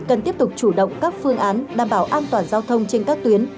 cần tiếp tục chủ động các phương án đảm bảo an toàn giao thông trên các tuyến